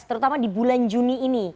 terutama di bulan juni ini